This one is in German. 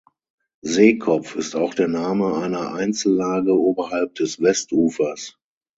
Seekopf ist auch der Name einer Einzellage oberhalb des Westufers.